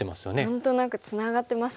何となくツナがってますもんね。